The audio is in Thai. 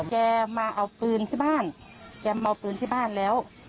แกมาเอาปืนที่บ้านแกมาเอาปืนที่บ้านแล้ว